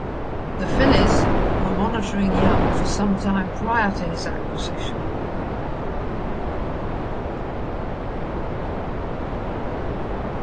The Phillies were monitoring Young for some time prior to his acquisition.